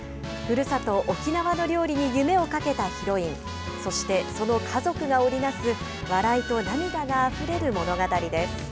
ふるさと、沖縄の料理に夢をかけたヒロイン、そして、その家族が織りなす笑いと涙があふれる物語です。